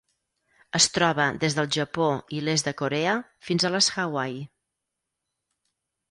Es troba des del Japó i l'est de Corea fins a les Hawaii.